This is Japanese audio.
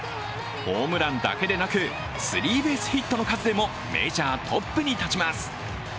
ホームランだけでなくスリーベースヒットの数でもメジャートップに立ちます。